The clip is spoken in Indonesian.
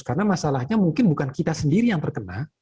karena masalahnya mungkin bukan kita sendiri yang terkena